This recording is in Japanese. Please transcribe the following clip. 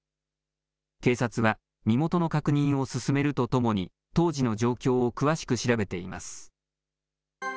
警察は身元の確認を進めるとともに、当時の状況を詳しく調べています。